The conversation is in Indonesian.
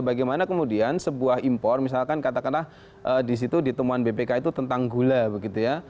bagaimana kemudian sebuah impor misalkan katakanlah di situ di temuan bpk itu tentang gula begitu ya